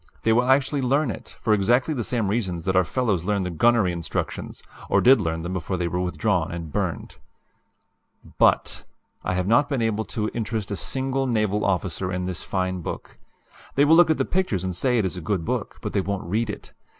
They will actually learn it, for exactly the same reasons that our fellows learn the gunnery instructions or did learn them before they were withdrawn and burned. "B U T, I have not been able to interest a single naval officer in this fine book. They will look at the pictures and say it is a good book, but they won't read it.